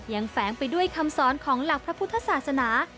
แฝงไปด้วยคำสอนของหลักพระพุทธศาสนา